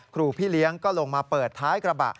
พี่เลี้ยงก็ลงมาเปิดท้ายกระบะ